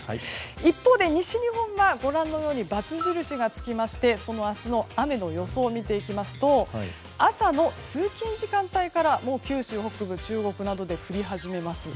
一方、西日本は罰印がつきましてその明日の雨の予想を見ていきますと朝の通勤時間帯から九州北部、中国などで降り始めます。